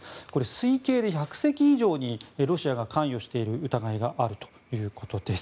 推計で１００隻以上にロシアが関与している疑いがあるということです。